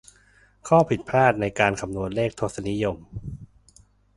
ข้อผิดพลาดในการคำนวณเลขทศนิยม